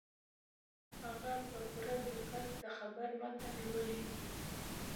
هغه په پوره دقت د خبر متن لولي.